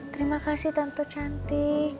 terima kasih tante cantik